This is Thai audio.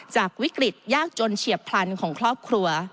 จากวิกฤตยากจนเฉียบพลันของครอบครัว